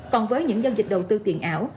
còn với những giao dịch đầu tư tiền ảo